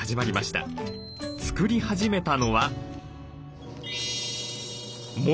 作り始めたのは。